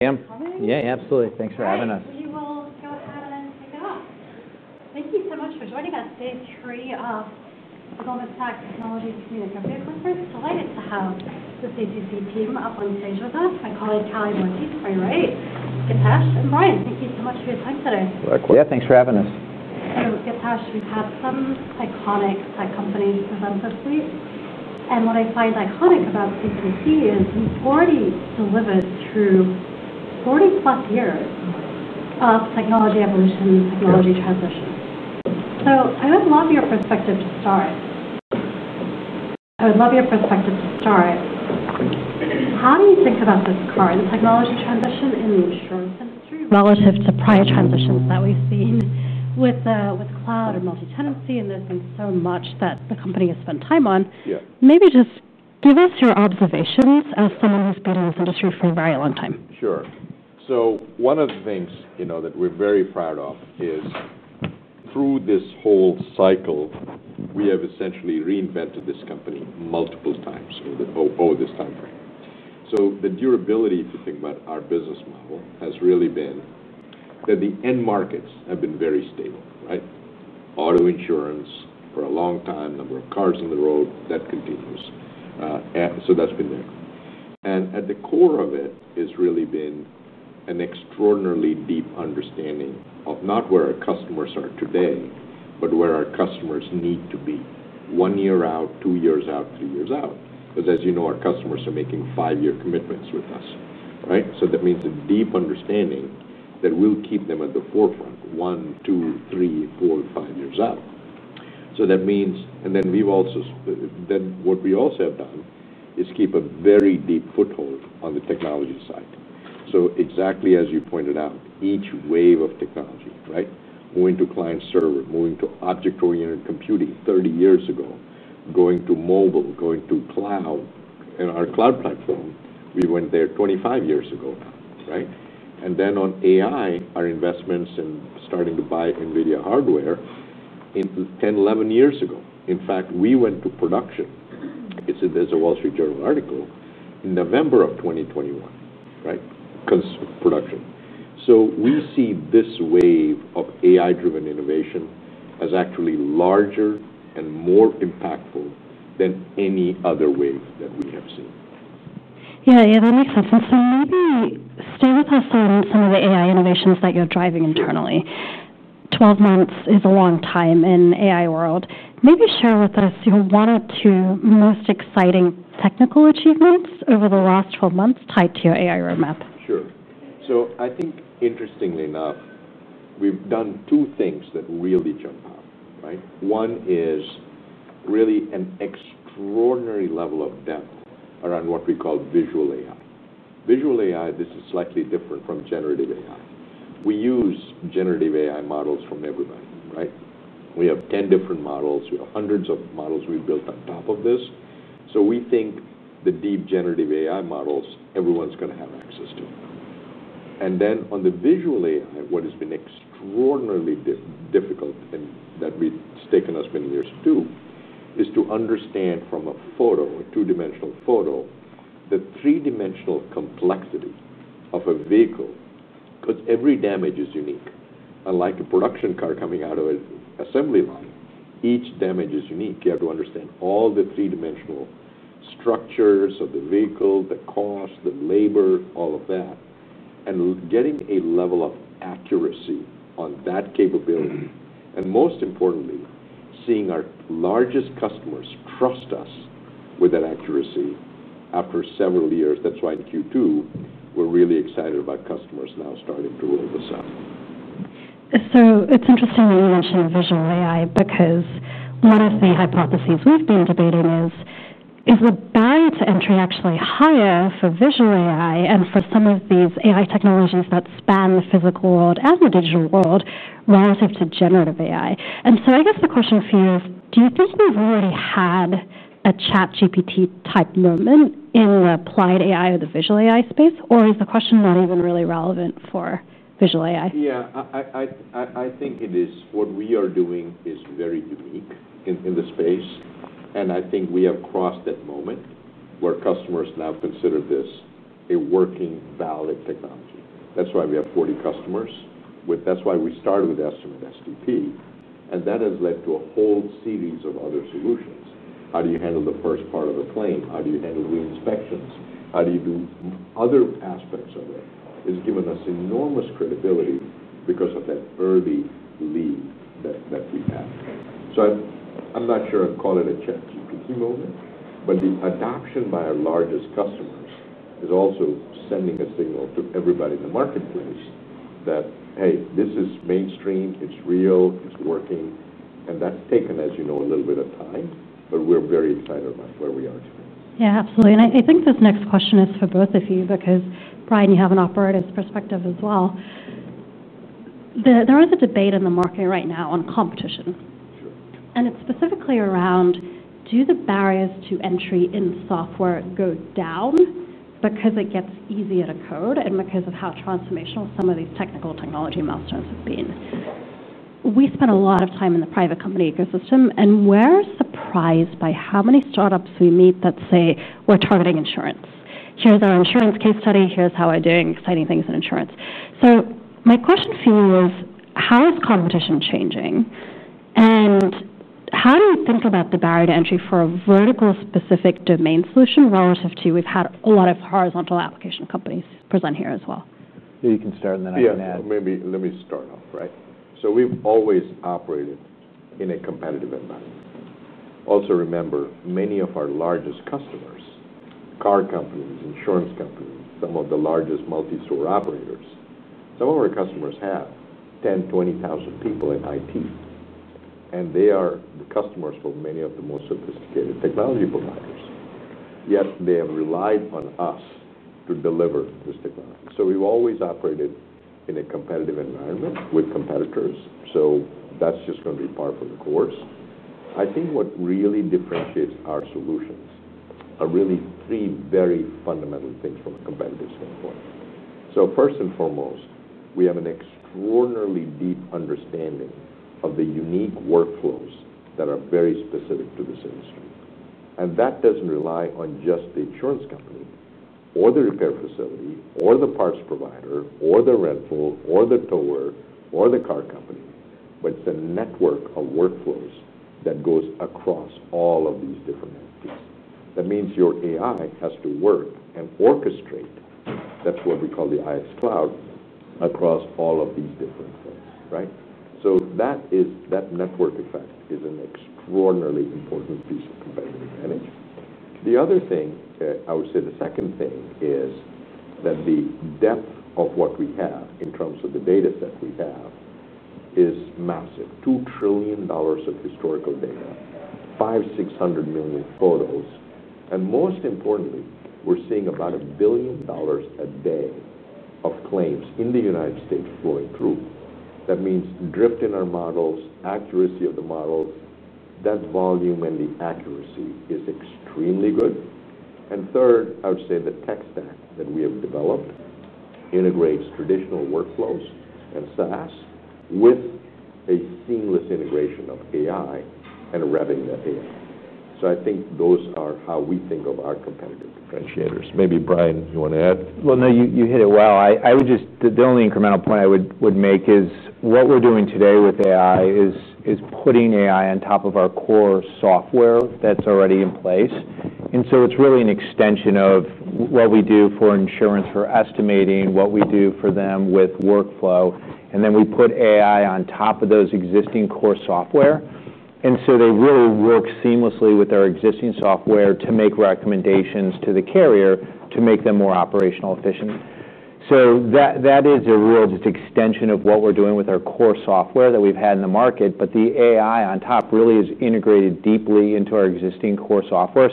Yeah, absolutely. Thanks for having us. We will go ahead and kick it off. Thank you so much for joining us today, the three of the Global Tech Technologies team. We're very delighted to have the CCC Intelligent Solutions Holdings Inc. team up on stage with us. My colleague Kelly Dorsey to my right, Githesh Ramamurthy, and Brian Herb, thank you so much for your time today. Yeah, thanks for having us. Githesh, we've had some iconic tech companies present this week. What I find iconic about CCC Intelligent Solutions Holdings Inc. is we've already delivered through 40+ years of technology evolution and technology transitions. I would love your perspective to start. How do you think about this current technology transition in the insurance industry relative to prior transitions that we've seen with cloud and multi-tenancy? There's been so much that the company has spent time on. Maybe just give us your observations as someone who's been in this industry for a very long time. Sure. One of the things that we're very proud of is through this whole cycle, we have essentially reinvented this company multiple times over this time frame. The durability, if you think about our business model, has really been that the end markets have been very stable, right? Auto insurance for a long time, the number of cars on the road, that continues. That's been there. At the core of it has really been an extraordinarily deep understanding of not where our customers are today, but where our customers need to be one year out, two years out, three years out. As you know, our customers are making five-year commitments with us, right? That means a deep understanding that will keep them at the forefront one, two, three, four, five years out. That means we've also kept a very deep foothold on the technology side. Exactly as you pointed out, each wave of technology, right? Moving to client server, moving to object-oriented computing 30 years ago, going to mobile, going to cloud and our IX Cloud Platform, we went there 25 years ago now, right? On AI, our investments in starting to buy NVIDIA hardware 10, 11 years ago. In fact, we went to production. There's a Wall Street Journal article in November of 2021 because of production. We see this wave of AI-driven innovation as actually larger and more impactful than any other wave that we have seen. Yeah, that makes sense. Maybe stay with us on some of the AI innovations that you're driving internally. Twelve months is a long time in the AI world. Maybe share with us your one or two most exciting technical achievements over the last twelve months tied to your AI roadmap. Sure. I think interestingly enough, we've done two things that really jump out, right? One is really an extraordinary level of depth around what we call visual AI. Visual AI, this is slightly different from generative AI. We use generative AI models from everybody, right? We have 10 different models. We have hundreds of models we built on top of this. We think the deep generative AI models, everyone's going to have access to them. On the visual AI, what has been extraordinarily difficult and that has taken us many years to do is to understand from a photo, a two-dimensional photo, the three-dimensional complexity of a vehicle because every damage is unique. Unlike a production car coming out of an assembly line, each damage is unique. You have to understand all the three-dimensional structures of the vehicle, the cost, the labor, all of that, and getting a level of accuracy on that capability. Most importantly, seeing our largest customers trust us with that accuracy after several years. That's why in Q2, we're really excited about customers now starting to look at us up. It's interesting that you mentioned the visual AI because one of the hypotheses we've been debating is, is the barrier to entry actually higher for visual AI and for some of these AI technologies that span the physical world and the digital world relative to generative AI? I guess the question for you is, do you think we've already had a ChatGPT type moment in the applied AI or the visual AI space, or is the question not even really relevant for visual AI? Yeah, I think what we are doing is very unique in the space. I think we have crossed that moment where customers now consider this a working, valid technology. That's why we have 40 customers. That's why we started with STEM and STP, and that has led to a whole series of other solutions. How do you handle the first part of the claim? How do you handle reinspections? How do you do other aspects of that? It's given us enormous credibility because of that early lead that we had. I'm not sure I'd call it a ChatGPT moment, but the adoption by our largest customers is also sending a signal to everybody in the marketplace that, hey, this is mainstream, it's real, it's working. That's taken, as you know, a little bit of time, but we're very excited about where we are today. Yeah, absolutely. I think this next question is for both of you because, Brian, you have an operator's perspective as well. There is a debate in the market right now on competition. It's specifically around, do the barriers to entry in software go down because it gets easier to code and because of how transformational some of these technical technology milestones have been? We spent a lot of time in the private company ecosystem, and we're surprised by how many startups we meet that say we're targeting insurance. Here's our insurance case study. Here's how we're doing exciting things in insurance. My question for you is, how is competition changing? How do you think about the barrier to entry for a vertical-specific domain solution relative to, we've had a lot of horizontal application companies present here as well? Yeah, you can start, and then I can add. Yeah, let me start off, right? We've always operated in a competitive environment. Also, remember, many of our largest customers, car companies, insurance companies, some of the largest multi-store operators, some of our customers have 10,000, 20,000 people in IT. They are the customers for many of the more sophisticated technology providers. Yet, they have relied on us to deliver this technology. We've always operated in a competitive environment with competitors. That is just going to be par for the course. I think what really differentiates our solutions are three very fundamental things from a competitive standpoint. First and foremost, we have an extraordinarily deep understanding of the unique workflows that are very specific to this industry. That doesn't rely on just the insurance company, or the repair facility, or the parts provider, or the rental, or the tower, or the car company, but it's a network of workflows that goes across all of these different entities. That means your AI has to work and orchestrate. That is what we call the IX Cloud across all of these different things, right? That network effect is an extraordinarily important piece of competitive advantage. The other thing, I would say the second thing is that the depth of what we have in terms of the dataset we have is massive. $2 trillion of historical data, 500 million, 600 million photos. Most importantly, we're seeing about $1 billion a day of claims in the United States flowing through. That means drift in our models, accuracy of the models, that volume and the accuracy is extremely good. Third, I would say the tech stack that we have developed integrates traditional workflows and SaaS with a seamless integration of AI and revving that AI. I think those are how we think of our competitive differentiators. Maybe Brian, you want to add? You hit it well. The only incremental point I would make is what we're doing today with AI is putting AI on top of our core software that's already in place. It's really an extension of what we do for insurance, for estimating, what we do for them with workflow. We put AI on top of those existing core software, and they really work seamlessly with our existing software to make recommendations to the carrier to make them more operational efficient. That is a real just extension of what we're doing with our core software that we've had in the market. The AI on top really is integrated deeply into our existing core software.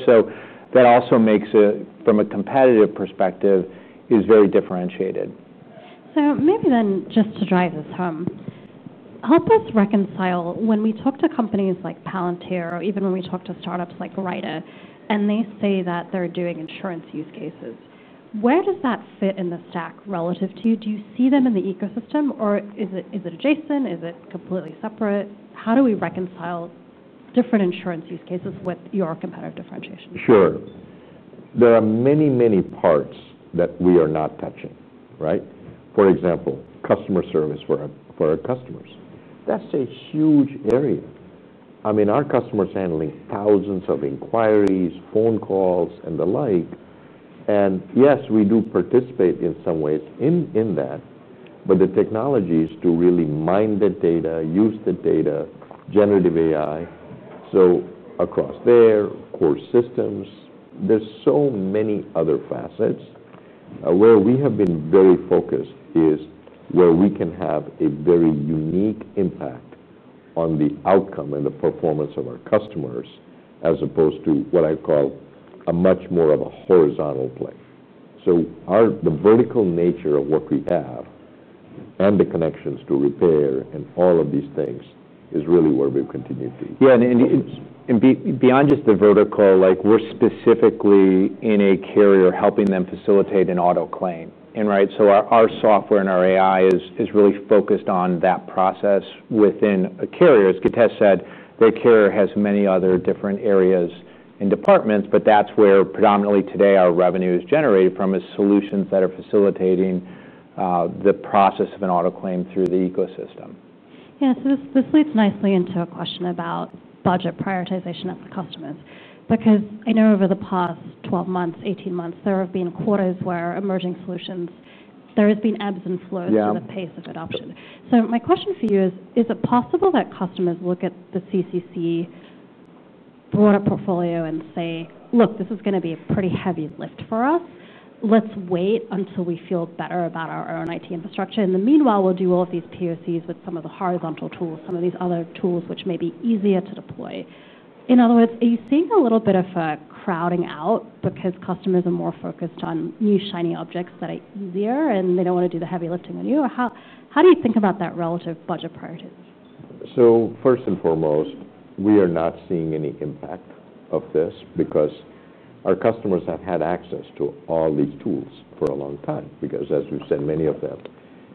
That also makes it, from a competitive perspective, very differentiated. Maybe just to drive this home, help us reconcile when we talk to companies like Palantir or even when we talk to startups like Rite Aid and they say that they're doing insurance use cases. Where does that fit in the stack relative to you? Do you see them in the ecosystem or is it adjacent? Is it completely separate? How do we reconcile different insurance use cases with your competitive differentiation? Sure. There are many, many parts that we are not touching, right? For example, customer service for our customers. That's a huge area. I mean, our customers are handling thousands of inquiries, phone calls, and the like. Yes, we do participate in some ways in that, but the technologies to really mine the data, use the data, generative AI. Across their core systems, there are so many other facets. Where we have been very focused is where we can have a very unique impact on the outcome and the performance of our customers as opposed to what I call much more of a horizontal play. The vertical nature of what we have and the connections to repair and all of these things is really where we've continued to be. Yeah, and beyond just the vertical, like we're specifically in a carrier helping them facilitate an auto claim. Our software and our AI is really focused on that process within a carrier. As Githesh said, the carrier has many other different areas and departments, but that's where predominantly today our revenue is generated from is solutions that are facilitating the process of an auto claim through the ecosystem. Yeah, this leads nicely into a question about budget prioritization of the customers. I know over the past 12 months, 18 months, there have been quarters where emerging solutions, there have been ebbs and flows in the pace of adoption. My question for you is, is it possible that customers look at the CCC broader portfolio and say, look, this is going to be a pretty heavy lift for us? Let's wait until we feel better about our own IT infrastructure. In the meanwhile, we'll do all of these POCs with some of the horizontal tools, some of these other tools which may be easier to deploy. In other words, are you seeing a little bit of a crowding out because customers are more focused on new shiny objects that are easier and they don't want to do the heavy lifting on you? How do you think about that relative budget priorities? First and foremost, we are not seeing any impact of this because our customers have had access to all these tools for a long time, because as we've said, many of them.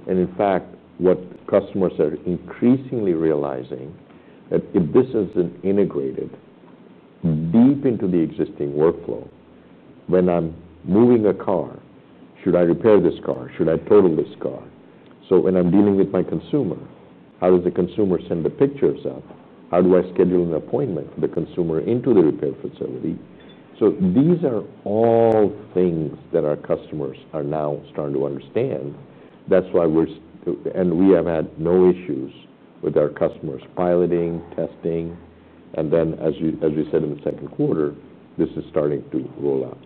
In fact, what customers are increasingly realizing is that if this isn't integrated deep into the existing workflow, when I'm moving a car, should I repair this car? Should I total this car? When I'm dealing with my consumer, how does the consumer send the pictures up? How do I schedule an appointment for the consumer into the repair facility? These are all things that our customers are now starting to understand. That's why we have had no issues with our customers piloting, testing, and then as we said in the second quarter, this is starting to roll out.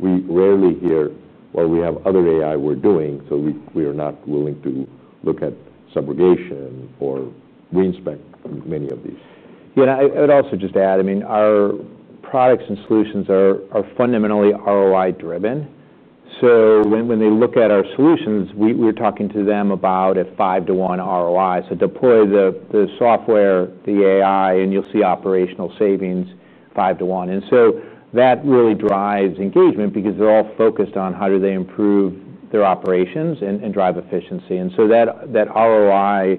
We rarely hear, we have other AI we're doing, so we are not willing to look at subrogation or reinspect many of these. Yeah, I would also just add, I mean, our products and solutions are fundamentally ROI-driven. When they look at our solutions, we're talking to them about a 5:1 ROI. Deploy the software, the AI, and you'll see operational savings 5:1. That really drives engagement because they're all focused on how do they improve their operations and drive efficiency. That ROI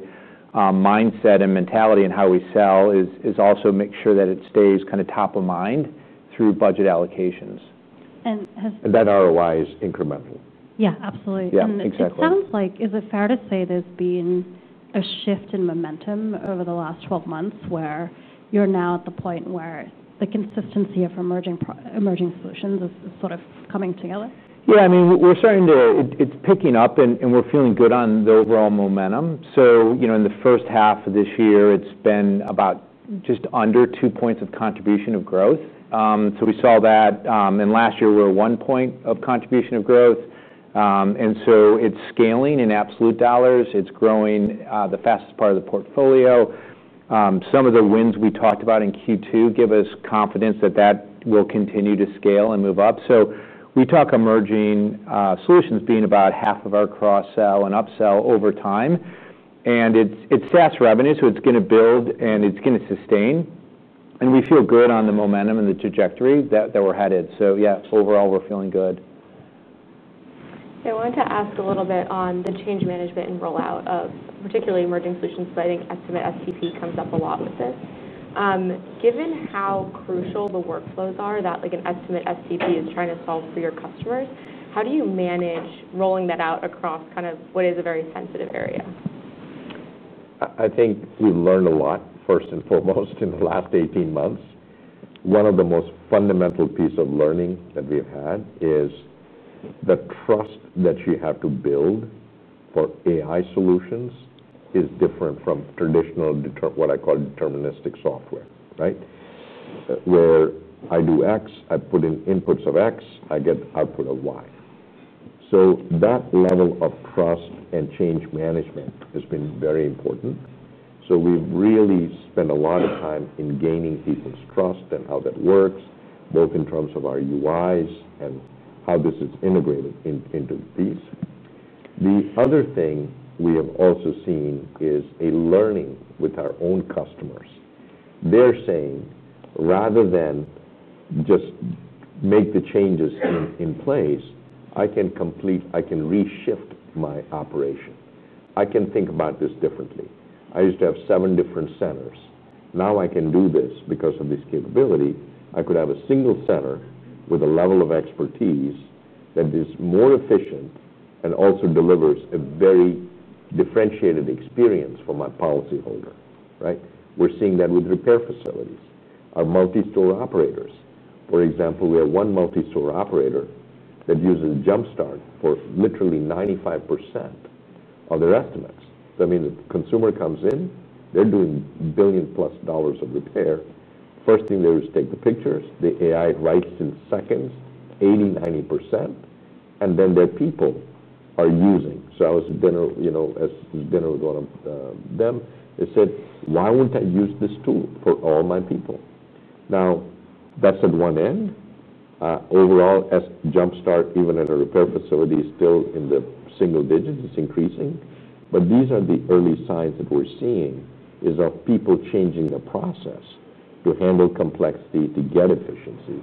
mindset and mentality and how we sell also make sure that it stays kind of top of mind through budget allocations. That ROI is incremental. Absolutely. Is it fair to say there's been a shift in momentum over the last 12 months where you're now at the point where the consistency of emerging solutions is sort of coming together? Yeah, I mean, we're starting to, it's picking up and we're feeling good on the overall momentum. In the first half of this year, it's been about just under two points of contribution of growth. We saw that. Last year, we were one point of contribution of growth. It's scaling in absolute dollars. It's growing the fastest part of the portfolio. Some of the wins we talked about in Q2 give us confidence that that will continue to scale and move up. We talk emerging solutions being about half of our cross-sell and upsell over time. It's SaaS revenue, so it's going to build and it's going to sustain. We feel good on the momentum and the trajectory that we're headed. Yeah, overall, we're feeling good. I wanted to ask a little bit on the change management and rollout of particularly emerging solutions, citing Estimate STP comes up a lot with this. Given how crucial the workflows are that like an Estimate STP is trying to solve for your customers, how do you manage rolling that out across what is a very sensitive area? I think we've learned a lot, first and foremost, in the last 18 months. One of the most fundamental pieces of learning that we've had is the trust that you have to build for AI solutions is different from traditional, what I call deterministic software, right? Where I do X, I put in inputs of X, I get output of Y. That level of trust and change management has been very important. We've really spent a lot of time in gaining people's trust and how that works, both in terms of our UIs and how this is integrated into these. The other thing we have also seen is a learning with our own customers. They're saying, rather than just make the changes in place, I can complete, I can reshift my operation. I can think about this differently. I used to have seven different centers. Now I can do this because of this capability. I could have a single center with a level of expertise that is more efficient and also delivers a very differentiated experience for my policyholder, right? We're seeing that with repair facilities. Our multi-store operators, for example, we have one multi-store operator that uses JumpStart for literally 95% of their estimates. The consumer comes in, they're doing billion plus dollars of repair. First thing they do is take the pictures, the AI writes in seconds, 80%, 90%, and then their people are using. As it's been with one of them, they said, why won't I use this tool for all my people? Now that's at one end. Overall, as JumpStart, even at a repair facility, is still in the single digits, it's increasing. These are the early signs that we're seeing of people changing the process to handle complexity, to get efficiency.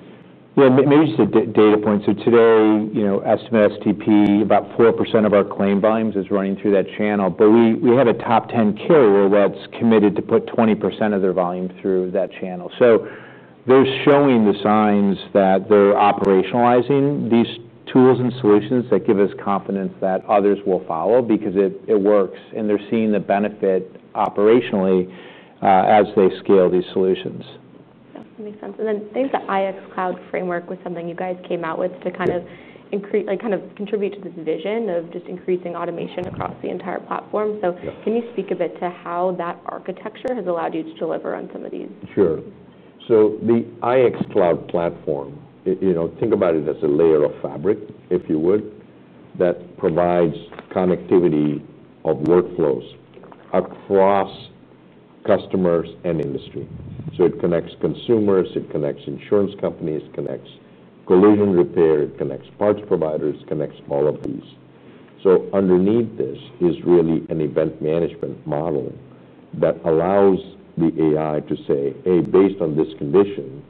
Maybe just a data point. Today, you know, Estimate STP, about 4% of our claim volumes is running through that channel. We have a top 10 carrier who are well committed to put 20% of their volume through that channel. They're showing the signs that they're operationalizing these tools and solutions that give us confidence that others will follow because it works. They're seeing the benefit operationally as they scale these solutions. Yeah, makes sense. The IX Cloud Platform was something you guys came out with to kind of increase, like kind of contribute to the vision of just increasing automation across the entire platform. Can you speak a bit to how that architecture has allowed you to deliver on some of these? Sure. The IX Cloud Platform, you know, think about it as a layer of fabric, if you would, that provides connectivity of workflows across customers and industry. It connects consumers, it connects insurance companies, it connects collision repair, it connects parts providers, it connects all of these. Underneath this is really an event management model that allows the AI to say, hey, based on this condition,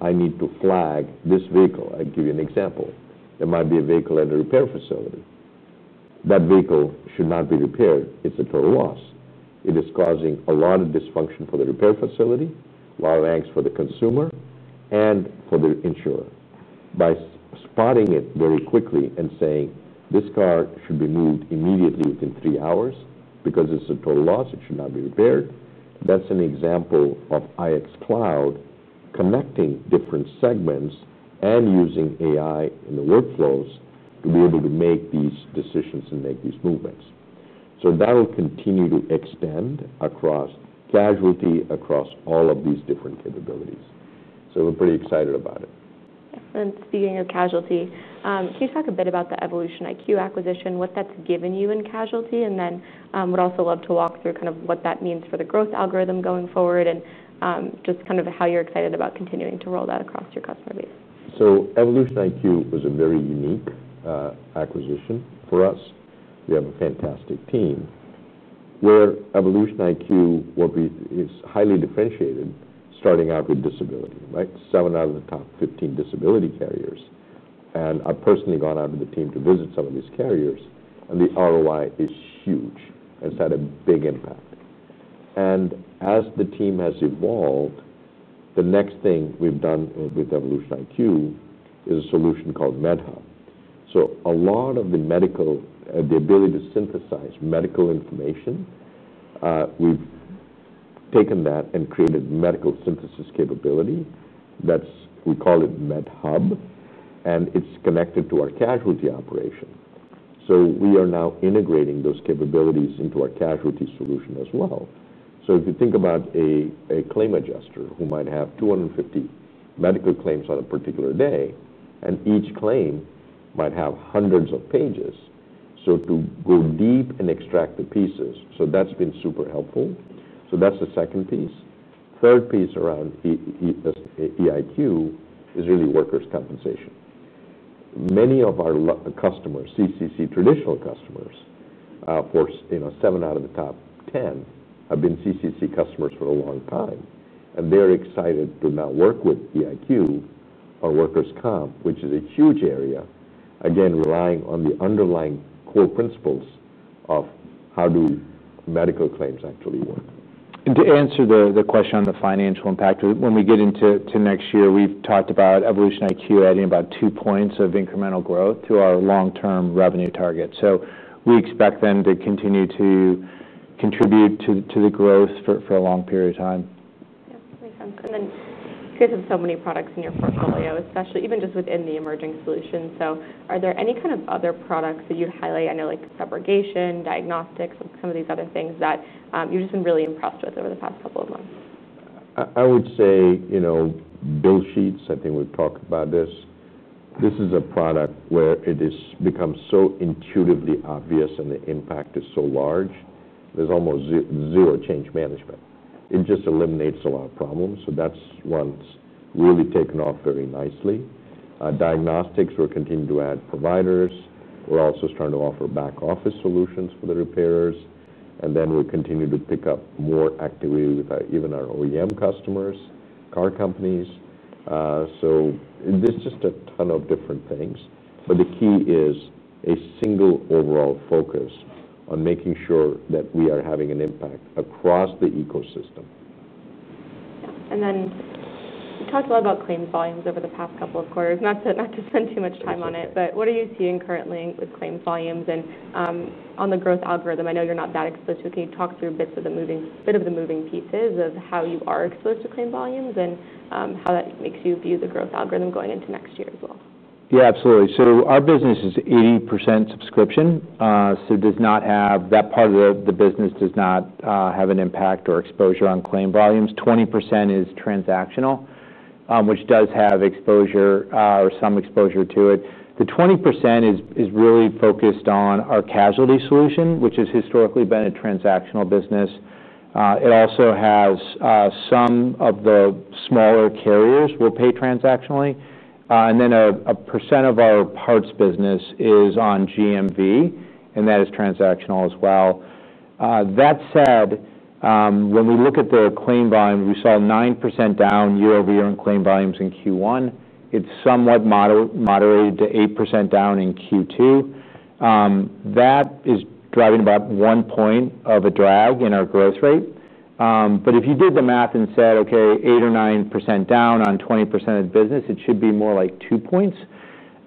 I need to flag this vehicle. I'll give you an example. There might be a vehicle at a repair facility. That vehicle should not be repaired. It's a total loss. It is causing a lot of dysfunction for the repair facility, while it acts for the consumer and for the insurer. By spotting it very quickly and saying, this car should be moved immediately within three hours because it's a total loss. It should not be repaired. That's an example of IX Cloud connecting different segments and using AI in the workflows to be able to make these decisions and make these movements. That will continue to extend across casualty, across all of these different capabilities. We're pretty excited about it. Speaking of casualty, can you talk a bit about the EvolutionIQ acquisition, what that's given you in casualty? We'd also love to walk through kind of what that means for the growth algorithm going forward and just kind of how you're excited about continuing to roll that across your customer base. EvolutionIQ was a very unique acquisition for us. We have a fantastic team where EvolutionIQ is highly differentiated, starting out with disability, right? Seven out of the top 15 disability carriers. I've personally gone out to the team to visit some of these carriers. The ROI is huge. It's had a big impact. As the team has evolved, the next thing we've done with EvolutionIQ is a solution called MedHub. A lot of the medical, the ability to synthesize medical information, we've taken that and created a medical synthesis capability. That's, we call it MedHub. It's connected to our casualty operation. We are now integrating those capabilities into our casualty solution as well. If you think about a claim adjuster who might have 250 medical claims on a particular day, and each claim might have hundreds of pages, to go deep and extract the pieces, that's been super helpful. That's the second piece. The third piece around EIQ is really workers' compensation. Many of our customers, CCC traditional customers, for seven out of the top 10 have been CCC customers for a long time. They're excited to now work with EIQ or workers' comp, which is a huge area, again, relying on the underlying core principles of how do medical claims actually work. To answer the question on the financial impact, when we get into next year, we've talked about EvolutionIQ adding about 2% of incremental growth to our long-term revenue target. We expect them to continue to contribute to the growth for a long period of time. Yeah, makes sense. You guys have so many products in your portfolio, especially even just within the emerging solutions. Are there any kind of other products that you'd highlight? I know like subrogation, diagnostics, some of these other things that you've just been really impressed with over the past couple of months. I would say, you know, bill sheets, I think we've talked about this. This is a product where it has become so intuitively obvious and the impact is so large. There's almost zero change management. It just eliminates a lot of problems. That's one that's really taken off very nicely. Diagnostics, we're continuing to add providers. We're also starting to offer back office solutions for the repairs. We'll continue to pick up more actively with even our OEM customers, car companies. There's just a ton of different things. The key is a single overall focus on making sure that we are having an impact across the ecosystem. Yeah, you talked a lot about claim volumes over the past couple of quarters. Not to spend too much time on it, what are you seeing currently with claim volumes and, on the growth algorithm? I know you're not that exposed to it. Can you talk through a bit of the moving pieces of how you are exposed to claim volumes and how that makes you view the growth algorithm going into next year as well? Yeah, absolutely. Our business is 80% subscription, so that part of the business does not have an impact or exposure on claim volumes. 20% is transactional, which does have some exposure to it. The 20% is really focused on our casualty solution, which has historically been a transactional business. It also has some of the smaller carriers who will pay transactionally, and then a percent of our parts business is on GMV, and that is transactional as well. That said, when we look at the claim volume, we saw 9% down year-over-year in claim volumes in Q1. It somewhat moderated to 8% down in Q2. That is driving about one point of a drag in our growth rate. If you did the math and said, okay, 8% or 9% down on 20% of the business, it should be more like two points,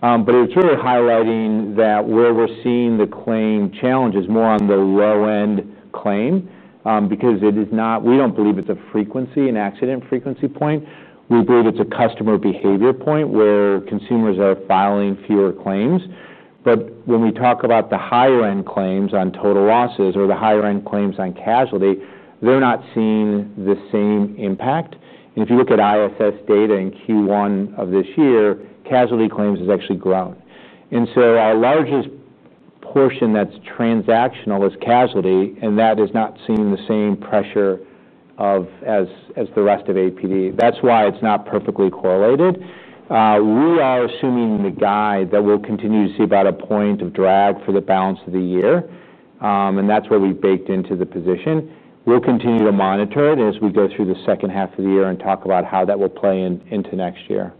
but it's really highlighting that where we're seeing the claim challenge is more on the low-end claim, because it is not, we don't believe it's a frequency, an accident frequency point. We believe it's a customer behavior point where consumers are filing fewer claims. When we talk about the higher-end claims on total losses or the higher-end claims on casualty, they're not seeing the same impact. If you look at IFS data in Q1 of this year, casualty claims have actually grown. Our largest portion that's transactional is casualty, and that is not seeing the same pressure as the rest of APD. That's why it's not perfectly correlated. We are assuming in the guide that we'll continue to see about a point of drag for the balance of the year, and that's where we baked into the position. We'll continue to monitor it as we go through the second half of the year and talk about how that will play into next year.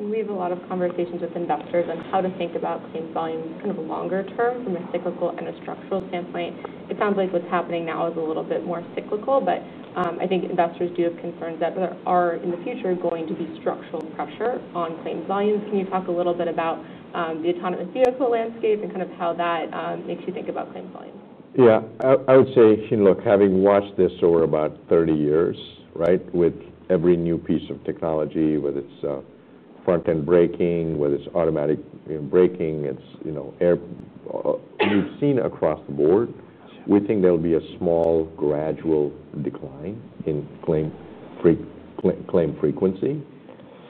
We have a lot of conversations with investors on how to think about claim volume kind of longer term from a cyclical and a structural standpoint. It sounds like what's happening now is a little bit more cyclical, but I think investors do have concerns that there are in the future going to be structural pressure on claim volumes. Can you talk a little bit about the autonomous vehicle landscape and kind of how that makes you think about claim volume? I would say, you know, having watched this over about 30 years, with every new piece of technology, whether it's front-end braking, whether it's automatic braking, we've seen across the board. We think there'll be a small gradual decline in claim frequency. Claim frequency,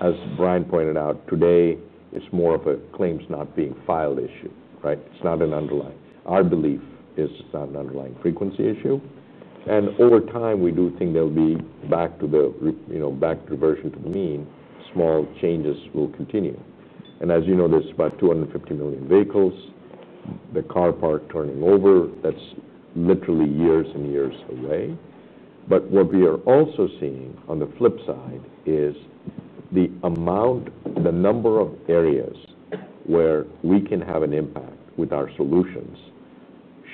as Brian Herb pointed out today, is more of a claims not being filed issue. It's not an underlying, our belief is it's not an underlying frequency issue. Over time, we do think there'll be back to the, you know, back to the version to mean small changes will continue. As you know, there's about 250 million vehicles, the car part turning over, that's literally years and years away. What we are also seeing on the flip side is the amount, the number of areas where we can have an impact with our solutions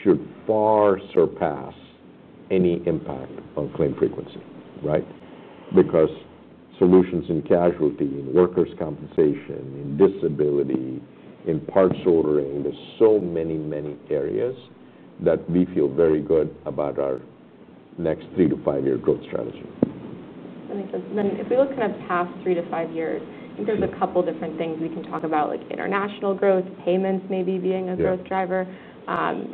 should far surpass any impact on claim frequency. Solutions in casualty, in workers' compensation, in disability, in parts ordering, there's so many areas that we feel very good about our next three to five-year growth strategy. That makes sense. If we look past three to five years, I think there's a couple of different things we can talk about, like international growth, payments maybe being a growth driver,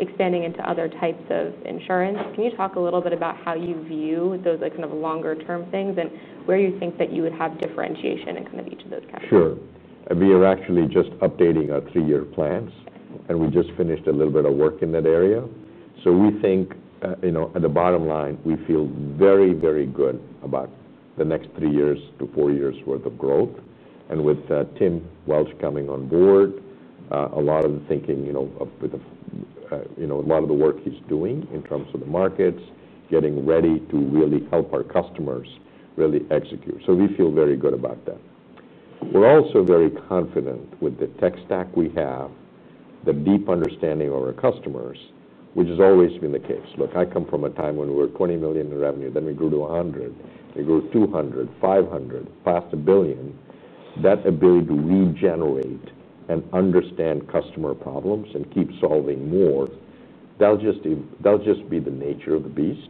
expanding into other types of insurance. Can you talk a little bit about how you view those longer-term things and where you think that you would have differentiation in each of those categories? Sure. We are actually just updating our three-year plans, and we just finished a little bit of work in that area. We think, at the bottom line, we feel very, very good about the next three years to four years' worth of growth. With Tim Welch coming on board, a lot of the thinking, a lot of the work he's doing in terms of the markets, getting ready to really help our customers really execute. We feel very good about that. We're also very confident with the tech stack we have, the deep understanding of our customers, which has always been the case. Look, I come from a time when we were $20 million in revenue, then we grew to $100 million, we grew to $200 million, $500 million, past $1 billion. That ability to regenerate and understand customer problems and keep solving more, that'll just be the nature of the beast.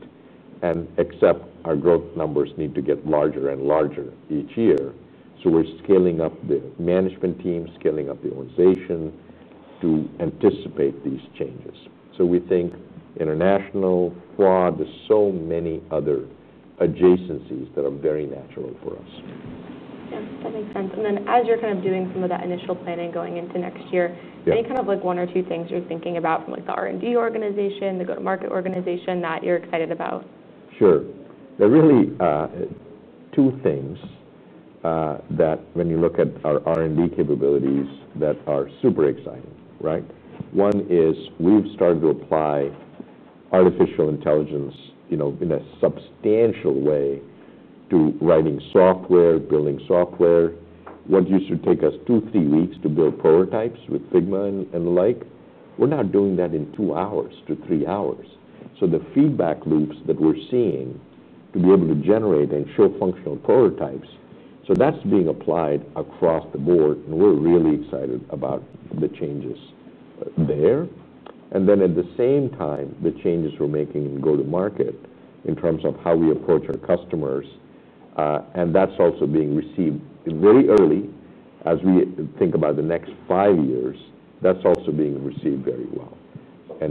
Except our growth numbers need to get larger and larger each year. We're scaling up the management team, scaling up the organization to anticipate these changes. We think international fraud is so many other adjacencies that are very natural for us. Yeah, that makes sense. As you're kind of doing some of that initial planning going into next year, any kind of like one or two things you're thinking about from the R&D organization, the go-to-market organization that you're excited about? Sure. There are really two things that, when you look at our R&D capabilities, are super exciting, right? One is we've started to apply AI, you know, in a substantial way to writing software, building software. What used to take us two, three weeks to build prototypes with Figma and the like, we're now doing that in two hours to three hours. The feedback loops that we're seeing to be able to generate and show functional prototypes, that's being applied across the board. We're really excited about the changes there. At the same time, the changes we're making in go-to-market in terms of how we approach our customers, that's also being received very early as we think about the next five years. That's also being received very well.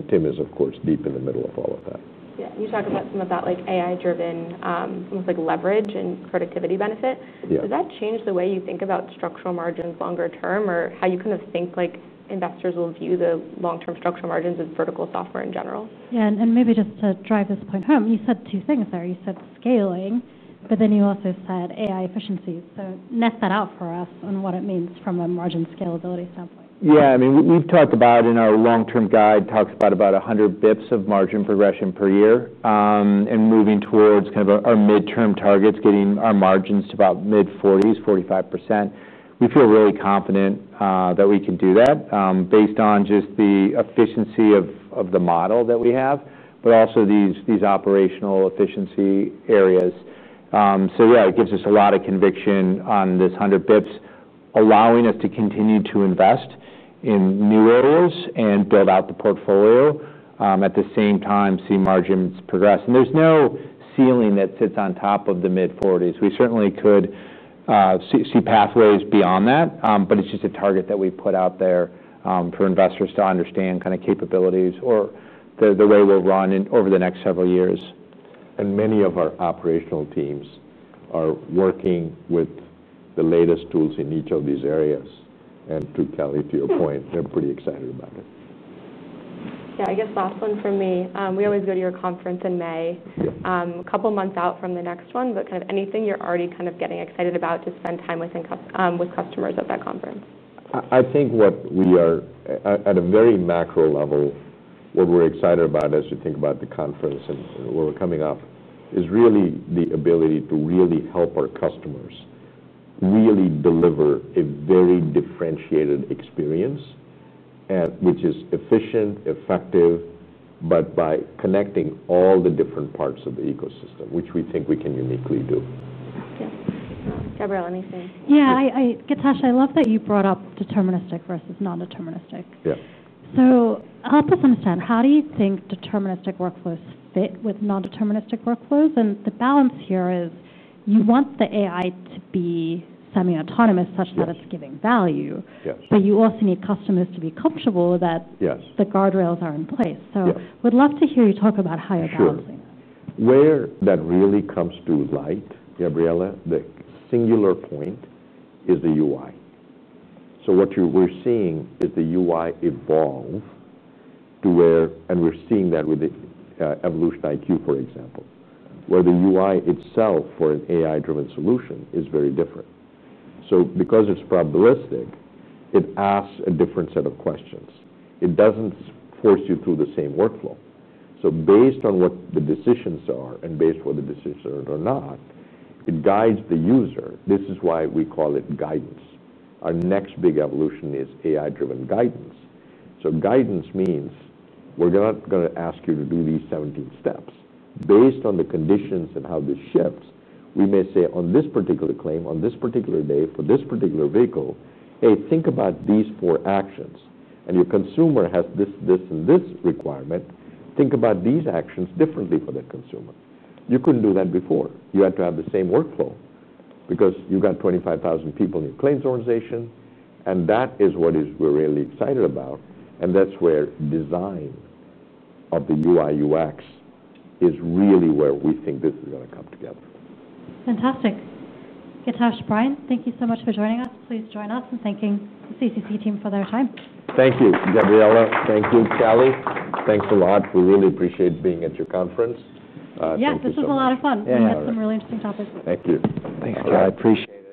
Tim is, of course, deep in the middle of all of that. Yeah, you talk about some of that like AI-driven, almost like leverage and productivity benefit. Does that change the way you think about structural margins longer term or how you kind of think like investors will view the long-term structural margins of vertical software in general? Maybe just to drive this point home, you said two things there. You said scaling, but then you also said AI efficiency. Nest that out for us on what it means from a margin scalability standpoint. Yeah, I mean, we've talked about in our long-term guide, talks about about 100 bps of margin progression per year, and moving towards kind of our mid-term targets, getting our margins to about mid-40s, 45%. We feel really confident that we can do that, based on just the efficiency of the model that we have, but also these operational efficiency areas. Yeah, it gives us a lot of conviction on this 100 bps, allowing us to continue to invest in new areas and build out the portfolio, at the same time see margins progress. There's no ceiling that sits on top of the mid-40s. We certainly could see pathways beyond that, but it's just a target that we put out there for investors to understand kind of capabilities or the way we'll run in over the next several years. Many of our operational teams are working with the latest tools in each of these areas. To Kelly, to your point, they're pretty excited about it. Yeah, I guess last one for me. We always go to your conference in May, a couple of months out from the next one, but anything you're already getting excited about to spend time with customers at that conference? I think that we are, at a very macro level, what we're excited about as you think about the conference and where we're coming up is really the ability to really help our customers really deliver a very differentiated experience, which is efficient and effective, by connecting all the different parts of the ecosystem, which we think we can uniquely do. Yeah, Gabriela, let me say. Yeah, Githesh, I love that you brought up deterministic versus non-deterministic. Help us understand how do you think deterministic workflows fit with non-deterministic workflows? The balance here is you want the AI to be semi-autonomous such that it's giving value, but you also need customers to be comfortable that the guardrails are in place. I would love to hear you talk about how you're proposing it. Sure. Where that really comes to light, Gabriela, the singular point is the UI. What we're seeing is the UI evolve to where, and we're seeing that with EvolutionIQ, for example, the UI itself for an AI-driven solution is very different. Because it's probabilistic, it asks a different set of questions. It doesn't force you through the same workflow. Based on what the decisions are or not, it guides the user. This is why we call it guidance. Our next big evolution is AI-driven guidance. Guidance means we're not going to ask you to do these 17 steps. Based on the conditions and how this shifts, we may say on this particular claim, on this particular day, for this particular vehicle, hey, think about these four actions. Your consumer has this, this, and this requirement. Think about these actions differently for that consumer. You couldn't do that before. You had to have the same workflow because you've got 25,000 people in your claims organization. That is what we're really excited about. That's where design of the UI/UX is really where we think this is going to come together. Fantastic. Githesh, Brian, thank you so much for joining us. Please join us in thanking the CCC team for their time. Thank you, Gabriela. Thank you, Kelly. Thanks a lot. We really appreciate being at your conference. Yeah, this was a lot of fun. We had some really interesting topics. Thank you. Thanks, I appreciate it.